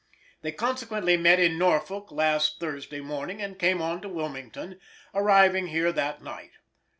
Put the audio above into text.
They consequently met in Norfolk last Thursday morning and came on to Wilmington, arriving here that night.